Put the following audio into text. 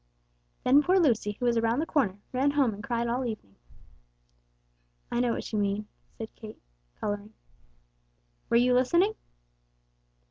Then poor Lucy, who was around the corner, ran home and cried all evening." "I know what you mean," cried Kate, coloring. "Were you listening?"